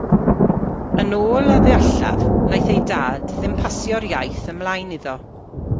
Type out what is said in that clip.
Yn ôl a ddeallaf, wnaeth ei dad ddim pasio'r iaith ymlaen iddo.